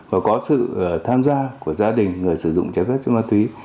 và có sự tham gia của gia đình người sử dụng trái phép chất ma túy